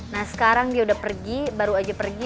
nah sekarang dia udah pergi baru aja pergi